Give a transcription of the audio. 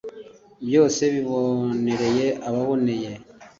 Byose bibonereye ababoneye